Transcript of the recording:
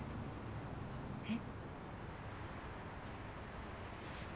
えっ。